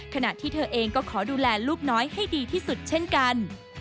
ขณะที่เธอเองก็ขอดูแลลูกน้อยให้ดีที่สุดเช่นกัน